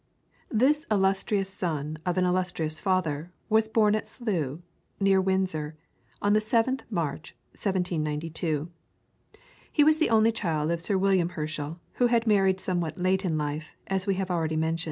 This illustrious son of an illustrious father was born at Slough, near Windsor, on the 7th March, 1792. He was the only child of Sir William Herschel, who had married somewhat late in life, as we have already mentioned.